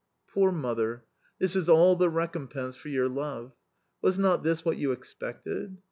,, Poor mother ! This is all the recompense for your love ! Was not this what you expected